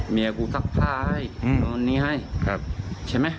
เมียกูซักผ้าให้โดรณ์นี้ให้